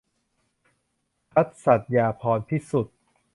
ณัฐ สัตยาภรณ์พิสุทธิ์